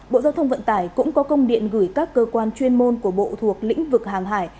bộ giao thông vận tải cũng có công điện gửi các cơ quan chuyên môn của bộ thuộc lĩnh vực hàng hải